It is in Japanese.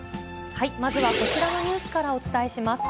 まずはこちらのニュースからお伝えします。